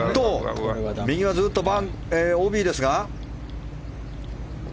右はずっとＯＢですが。